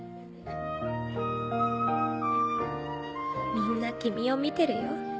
みんな君を見てるよ。